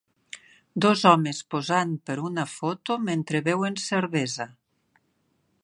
Dos homes posant per una foto mentre beuen cervesa.